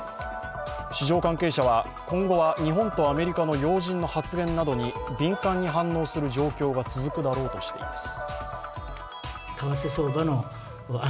市場関係者は、今後は日本とアメリカの要人の発言などに敏感に反応する状況が続くだろうとしています。